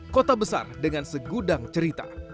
kota besar dengan segudang cerita